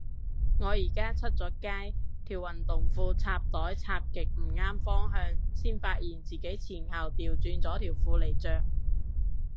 我而家出咗街，條運動褲插袋插極唔啱方向，先發現自己前後掉轉咗條褲嚟着